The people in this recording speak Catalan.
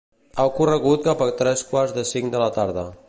Ha ocorregut cap a tres quarts de cinc de la tarda.